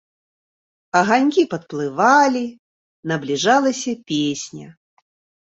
Аганькі падплывалі, набліжалася песня.